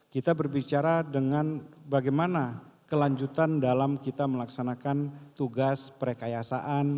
kita berbicara dengan bagaimana kelanjutan dalam kita melaksanakan tugas perkayasaan